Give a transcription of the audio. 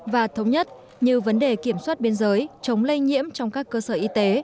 và thống nhất như vấn đề kiểm soát biên giới chống lây nhiễm trong các cơ sở y tế